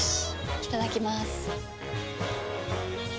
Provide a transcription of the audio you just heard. いただきまーす。